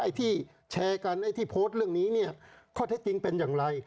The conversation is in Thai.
ที่แชร์กันไอ้ที่โพสต์เรื่องนี้เนี่ยข้อเท็จจริงเป็นอย่างไร